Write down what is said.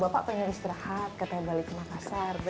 bapak pengen istirahat kembali ke makassar